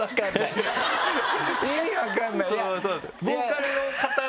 意味分かんない。